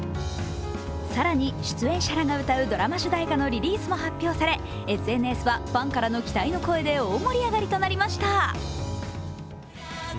更に出演者らが歌うドラマ主題歌リリースも発表されＳＮＳはファンからの期待の声で大盛り上がりとなりました。